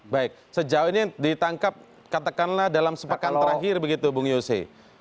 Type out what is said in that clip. baik sejauh ini yang ditangkap katakanlah dalam sepekan terakhir begitu bung yose